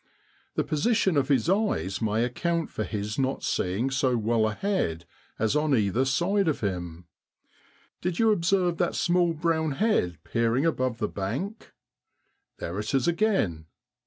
The position of his eyes may account for his not seeing so well ahead as on either side of him. Did you observe that small brown head peering above the bank? There it is again.